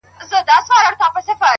بې د ثقلېن نه چل د هر چا درځي